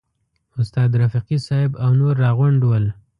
استاد رفیقي صاحب او نور راغونډ ول.